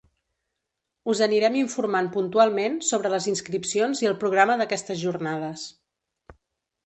Us anirem informant puntualment sobre les inscripcions i el programa d'aquestes jornades.